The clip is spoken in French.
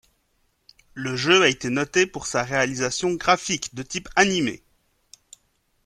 Le jeu a été noté pour sa réalisation graphique de type anime.